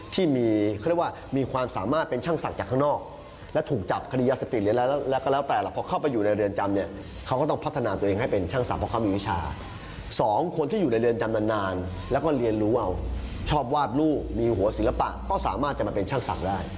ที่มีฝีมือมีชื่อก็อยู่ประมาณนั้นสัก๔๕คน